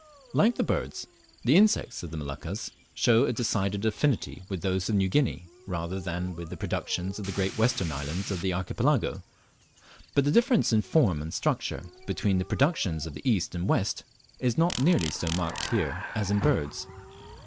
Like the birds, the insects of the Moluccas show a decided affinity with those of New Guinea rather than with the productions of the great western islands of the Archipelago, but the difference in form and structure between the productions of the east and west is not nearly so marked here as in birds.